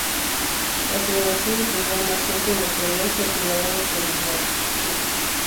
La celebración incluyó a más gente del exterior que a ciudadanos de Dubrovnik.